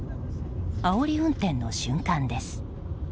あおり運転の瞬間です。